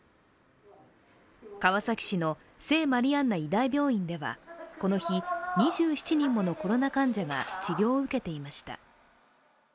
川崎市の聖マリアンナ医大病院ではこの日、２７人ものコロナ患者が治療を受けていました。